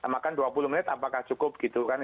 makan dua puluh menit apakah cukup gitu kan